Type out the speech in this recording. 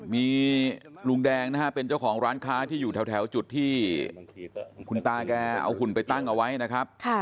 มีลุงแดงนะฮะเป็นเจ้าของร้านค้าที่อยู่แถวจุดที่คุณตาแกเอาหุ่นไปตั้งเอาไว้นะครับ